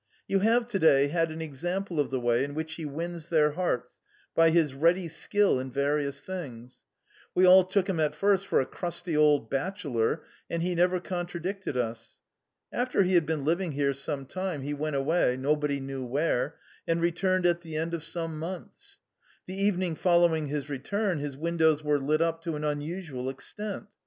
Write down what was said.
You have to day had an example of the way in which he wins their hearts by his ready skill in various things. We all took him at first for a crusty old bachelor, and he never contradicted us. After he had been living here some time, he went away, nobody knew where, and returned at the end of some months. The evening following his return his windows were lit up to an unusual extent